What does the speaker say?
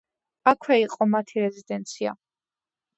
აქვე იყო მათი რეზიდენცია.